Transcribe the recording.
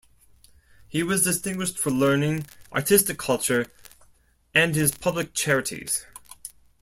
He was distinguished for learning, artistic culture and his public charities.